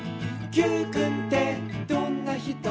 「Ｑくんってどんな人？